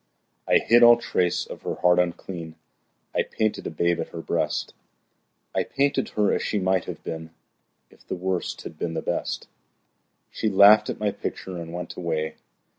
I hid all trace of her heart unclean; I painted a babe at her breast; I painted her as she might have been If the Worst had been the Best. She laughed at my picture and went away.